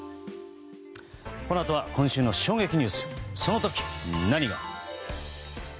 このあとは今週の衝撃ニュースそのとき何が。